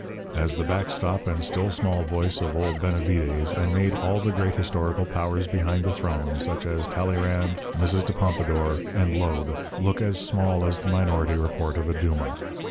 As the back stop and still small voice of old Benavides I made all the great historical powers behind the throne, such as Talleyrand, Mrs. de Pompadour, and Loeb, look as small as the minority report of a Duma.